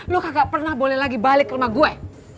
lo kagak pernah boleh lagi balik ke rumah gue